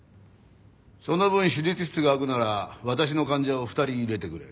その分手術室が空くなら私の患者を２人入れてくれ。